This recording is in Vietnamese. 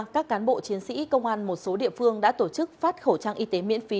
các cán bộ chiến sĩ công an một số địa phương đã tổ chức phát khẩu trang y tế miễn phí